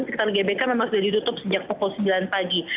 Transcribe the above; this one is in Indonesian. sekitar gbk memang sudah ditutup sejak pukul sembilan pagi